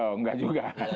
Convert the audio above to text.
oh nggak juga